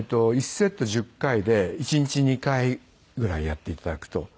１セット１０回で１日２回ぐらいやって頂くと。